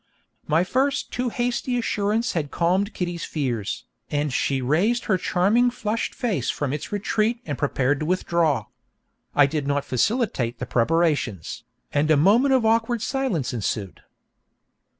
My first too hasty assurance had calmed Kitty's fears, and she raised her charming flushed face from its retreat and prepared to withdraw. I did not facilitate the preparations, and a moment of awkward silence ensued.